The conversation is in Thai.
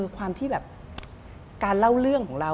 ความที่แบบการเล่าเรื่องของเรา